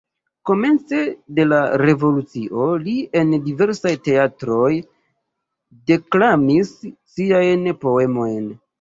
Komence de la revolucio li en diversaj teatroj deklamis siajn poemojn.